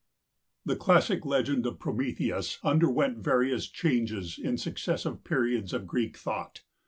[The classic legend of Prometheus underwent various changes in successive periods of Greek thought.